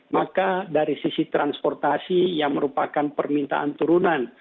maka dari sisi transportasi yang merupakan permintaan turunan